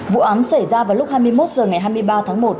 vụ án xảy ra vào lúc hai mươi một h ngày hai mươi ba tháng một